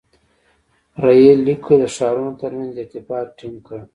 • رېل لیکو د ښارونو تر منځ ارتباط ټینګ کړ.